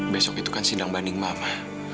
besok itu kan sindang banding mama